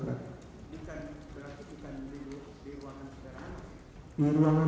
berarti bukan di ruangan saudara anas